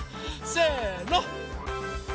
せの。